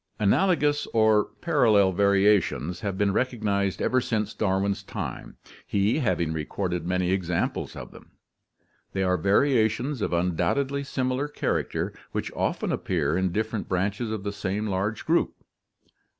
— Analogous or parallel variations have been recognized ever since Darwin's time, he having recorded many examples of them. They are variations of undoubtedly similar character, which often appear in different branches of the ORTHOGENESIS AND KINETOGENESIS 177 /L same large group.